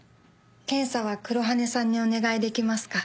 検査は黒羽さんにお願いできますか？